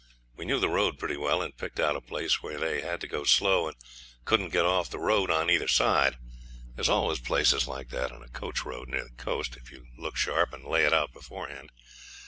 We knew the road pretty well, and picked out a place where they had to go slow and couldn't get off the road on either side. There's always places like that in a coach road near the coast, if you look sharp and lay it out beforehand.